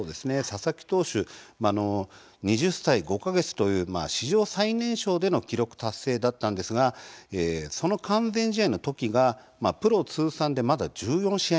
佐々木投手、２０歳５か月という史上最年少での記録達成だったんですがその完全試合のときがプロ通算でまだ１４試合目。